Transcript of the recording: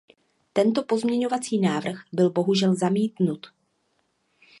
Tento pozměňovací návrh byl bohužel zamítnut.